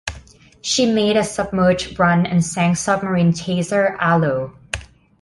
She made a submerged run and sank Submarine Chaser Alo.